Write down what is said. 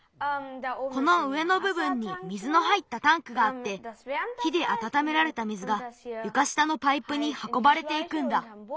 この上のぶぶんに水の入ったタンクがあって火であたためられた水がゆかしたのパイプにはこばれていくんだ。